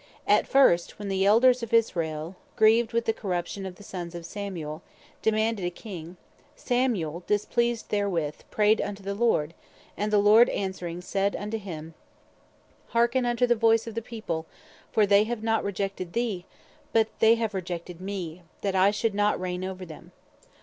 As first (1 Sam. 8.7.) when the Elders of Israel (grieved with the corruption of the Sons of Samuel) demanded a King, Samuel displeased therewith, prayed unto the Lord; and the Lord answering said unto him, "Hearken unto the voice of the People, for they have not rejected thee, but they have rejected me, that I should not reign over them."